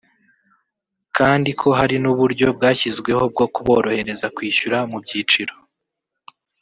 kandi ko hari n’uburyo bwashyizweho bwo kuborohereza kwishyura mu byiciro